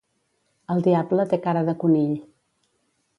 El diable té cara de conill.